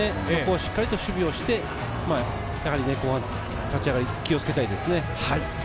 しっかり守備をして、立ち上がり、気をつけたいです。